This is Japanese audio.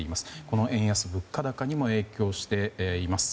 この円安物価高にも影響しています。